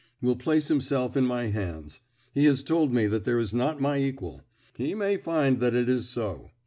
will place himself in my hands. He has told me that there is not my equal; he may find that it is so.